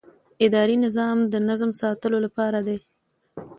اداري نظام د نظم ساتلو لپاره دی.